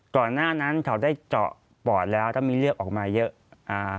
ก่อนหน้านั้นเขาได้เจาะปอดแล้วถ้ามีเลือดออกมาเยอะอ่า